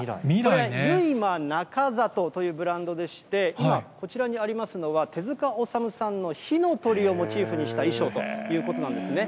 ユイマナカザトというブランドでして、今、こちらにありますのは、手塚治虫さんの火の鳥をモチーフにした衣装ということなんですね。